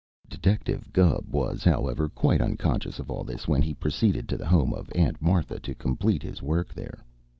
Detective Gubb was, however, quite unconscious of all this when he proceeded to the home of Aunt Martha to complete his work there.